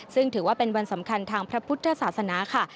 ซึ่งถือว่าเป็นวันสำคัญทางพระพุทธศาสนาค่ะ